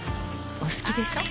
お好きでしょ。